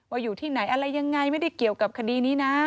อยู่ที่ไหนอะไรยังไงไม่ได้เกี่ยวกับคดีนี้นะ